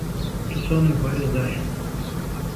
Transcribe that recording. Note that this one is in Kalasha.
Tu sonai paris dai e?